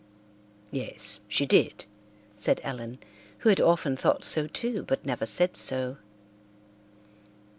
"Yes, she did," said Ellen, who had often thought so too, but never said so.